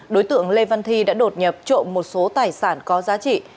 đối tượng lê văn thi đã đột nhập trộm một số tài sản có giá trị